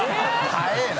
早いな。